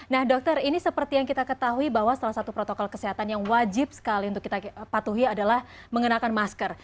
nah dokter ini seperti yang kita ketahui bahwa salah satu protokol kesehatan yang wajib sekali untuk kita patuhi adalah mengenakan masker